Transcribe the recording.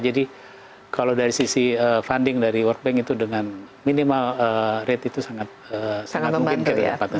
jadi kalau dari sisi funding dari world bank itu dengan minimal rate itu sangat mungkin kita dapatkan